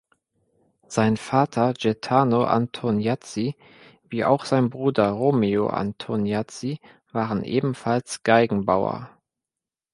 Sein Vater Gaetano Antoniazzi wie auch sein Bruder Romeo Antoniazzi waren ebenfalls Geigenbauer.